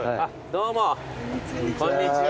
どうもこんにちは。